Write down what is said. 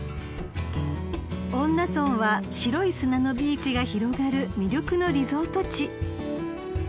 ［恩納村は白い砂のビーチが広がる魅力のリゾート地］